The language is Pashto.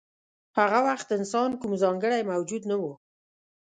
هغه وخت انسان کوم ځانګړی موجود نه و.